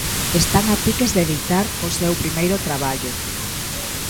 Están a piques de editar o seu primeiro traballo.